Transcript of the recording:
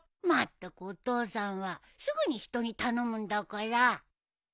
まったくお父さんはすぐに人に頼むんだから。